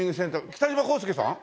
北島康介さん？